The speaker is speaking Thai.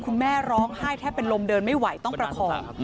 คุณแม่ร้องไห้แทบเป็นลมเดินไม่ไหวต้องประคอง